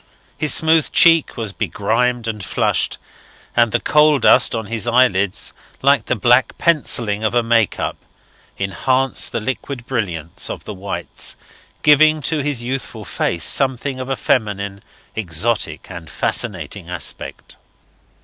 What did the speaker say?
His smooth cheek was begrimed and flushed, and the coal dust on his eyelids, like the black pencilling of a make up, enhanced the liquid brilliance of the whites, giving to his youthful face something of a feminine, exotic and fascinating aspect.